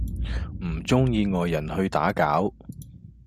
唔鍾意外人去打攪